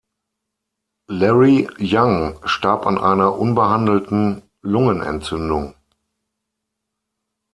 Larry Young starb an einer unbehandelten Lungenentzündung.